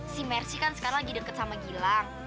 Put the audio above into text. si mercy kan sekarang lagi dekat sama gilang